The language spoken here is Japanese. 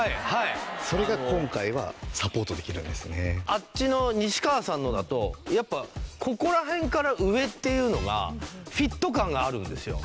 あっちの西川さんのだとやっぱここら辺から上っていうのがフィット感があるんですよ。